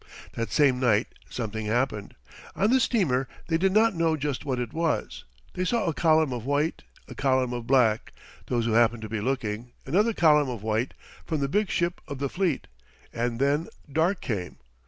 That same night something happened. On the steamer they did not know just what it was. They saw a column of white, a column of black those who happened to be looking another column of white, from the big ship of the fleet. And then dark came.